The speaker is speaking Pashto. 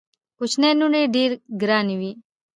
کوچنۍ لوڼي ډېري ګراني وي.